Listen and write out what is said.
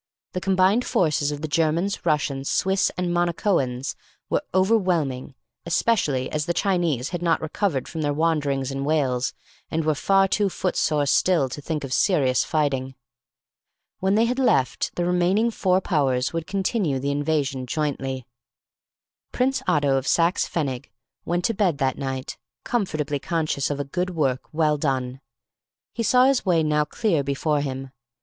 The combined forces of the Germans, Russians, Swiss, and Monacoans were overwhelming, especially as the Chinese had not recovered from their wanderings in Wales and were far too footsore still to think of serious fighting. When they had left, the remaining four Powers would continue the invasion jointly. Prince Otto of Saxe Pfennig went to bed that night, comfortably conscious of a good work well done. He saw his way now clear before him.